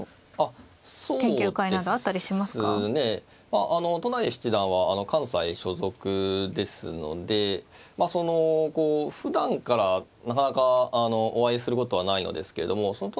あの都成七段は関西所属ですのでそのこうふだんからなかなかお会いすることはないのですけれどもその都